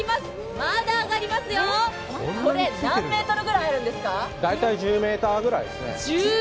まだ上がりますよ、これ何メートルぐらいあるんですか大体１０ｍぐらいですね。